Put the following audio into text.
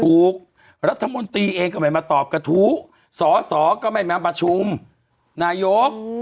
รัฐมนตรีเองก็ไม่มาตอบกระทู้สอสอก็ไม่มาประชุมนายก